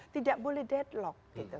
tidak boleh deadlock gitu